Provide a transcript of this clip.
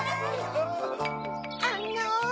あの。